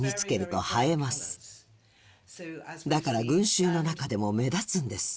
だから群衆の中でも目立つんです。